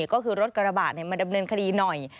ก็คือรถกระบะมาดำเนินคดีหน่อย